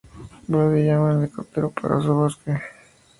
Brody llama a un helicóptero para que busque a los chicos cerca del faro.